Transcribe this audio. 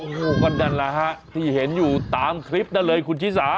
โอ้โหก็นั่นแหละฮะที่เห็นอยู่ตามคลิปนั่นเลยคุณชิสา